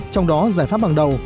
trong đó giải pháp bằng đầu